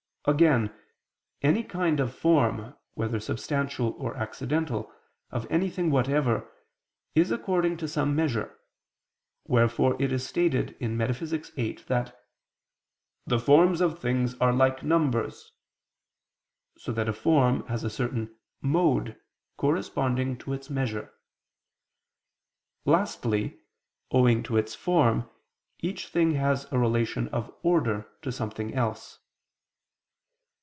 Again, any kind of form, whether substantial or accidental, of anything whatever, is according to some measure, wherefore it is stated in Metaph. viii, that "the forms of things are like numbers," so that a form has a certain mode corresponding to its measure. Lastly owing to its form, each thing has a relation of order to something else.